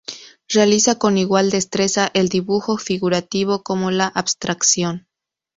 Realiza con igual destreza el dibujo figurativo como la abstracción.